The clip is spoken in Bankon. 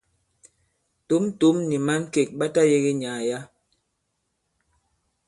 Tǒm-tǒm nì̀ mǎŋkèk ɓa tayēge nyàà yǎ.